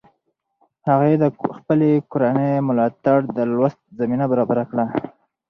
هغې د خپلې کورنۍ ملاتړ د لوست زمینه برابره کړه.